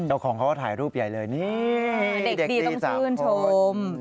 ตัวของเขาก็ถ่ายรูปใหญ่เลยนี่เด็กดีต้องชื่นชม